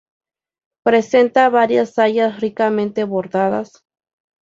Presenta varias sayas ricamente bordadas.